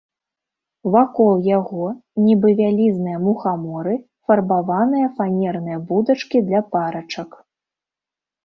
Вакол яго, нібы вялізныя мухаморы, фарбаваныя фанерныя будачкі для парачак.